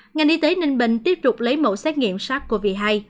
ngành y tế ninh bình tiếp tục lấy mẫu xét nghiệm sars cov hai